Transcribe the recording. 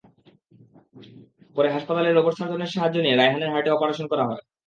পরে হাসপাতালের রোবট সার্জনের সাহায্য নিয়ে রায়হানের হার্টে অপারেশন করা হয়।